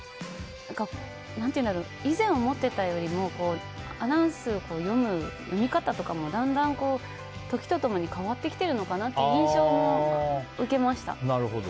以前思っていたよりもアナウンスを読む読み方とかもだんだん時と共に変わってきているのかなという印象も受けました。